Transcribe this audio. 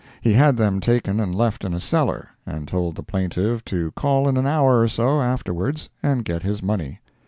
He had them taken and left in a cellar, and told the plaintiff to call in an hour or so afterwards and get his money.